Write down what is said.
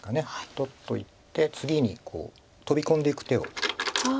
取っといて次にこうトビ込んでいく手を。